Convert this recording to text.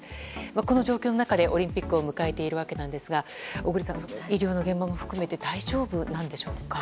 この状況の中でオリンピックを迎えていますが小栗さん医療の現場も含め大丈夫でしょうか。